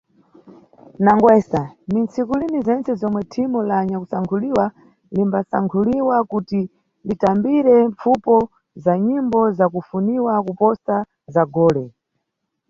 Nangwesa, ni ntsikulini zentse zomwe thimu la anyakumangiwa limbasankhuliwa kuti litambire mpfupo za nyimbo za kufuniwa kuposa za gole.